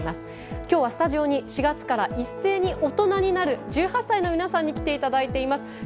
今日はスタジオに４月から一斉に大人になる１８歳の皆さんに来ていただいています。